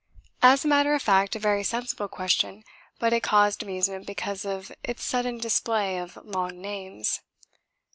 As a matter of fact a very sensible question, but it caused amusement because of its sudden display of long names.